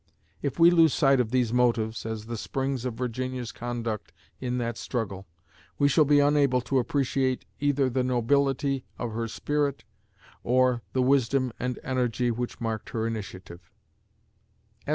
If we lose sight of these motives as the springs of Virginia's conduct in that struggle, we shall be unable to appreciate either the nobility of her spirit or the wisdom and energy which marked her initiative.